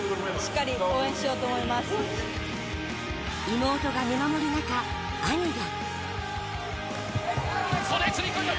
妹が見守る中兄が。